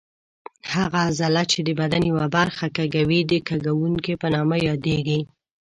هغه عضله چې د بدن یوه برخه کږوي د کږوونکې په نامه یادېږي.